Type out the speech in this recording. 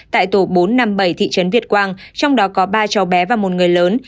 tại tổ bốn trăm năm mươi bảy thị trấn việt quang trong đó có ba cháu bé và một người lớn